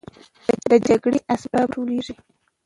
د جګړې اسباب راټولېږي.